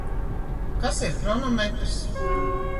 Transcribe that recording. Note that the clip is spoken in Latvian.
Kas ir hronometrs?